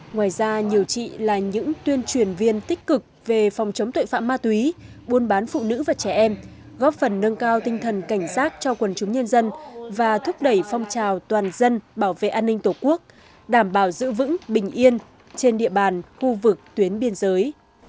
ngoài ra nhiều chị là những tuyên truyền viên tích cực về phòng chống tội phạm ma túy buôn bán phụ nữ và trẻ em góp phần nâng cao tinh thần cảnh giác cho quần chúng nhân dân và thúc đẩy phong trào toàn dân bảo vệ an ninh tổ quốc đảm bảo giữ vững bình yên trên địa bàn khu vực tuyến biên giới